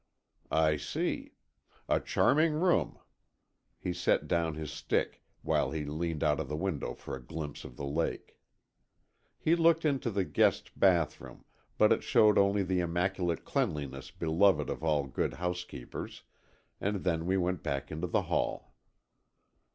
"I see. A charming room." He set down his stick, while he leaned out of the window for a glimpse of the lake. He looked into the guest bathroom, but it showed only the immaculate cleanliness beloved of all good housekeepers, and then we went back into the hall.